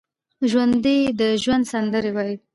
ژوندي د ژوند سندرې وايي